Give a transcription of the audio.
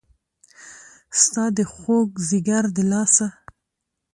ستا د خوږ ځیګر د لاسه